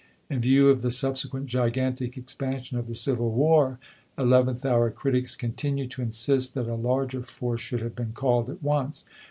In view of the subsequent gigantic expansion of the civil war, eleventh hour critics continue to in sist that a larger force should have been called at once.